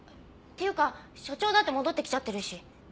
っていうか所長だって戻ってきちゃってるし。